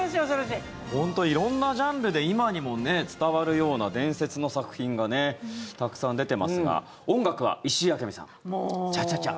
本当、色んなジャンルで今にも伝わるような伝説の作品がたくさん出ていますが音楽は石井明美さん「ＣＨＡ−ＣＨＡ−ＣＨＡ」。